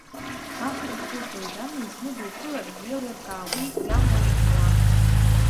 Ахра, суҳәоит, амҩан зны дуԥылар, иеилыркаа уи иамуа, иахьауа…